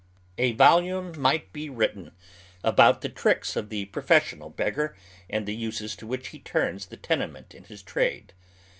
A volume might be written about the tricks of the pro fessional beggar, and the uses to which he turns the tene ment in his trade.